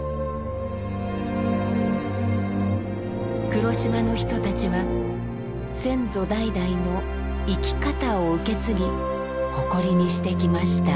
黒島の人たちは先祖代々の生き方を受け継ぎ誇りにしてきました。